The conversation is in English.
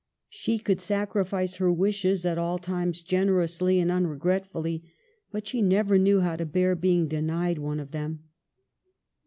She could sacrifice her wishes at all times generously and unregretfully, but she never knew how to bear being denied one of them.